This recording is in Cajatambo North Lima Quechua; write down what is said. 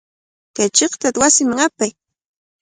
Kay chiqtata wasiman apay.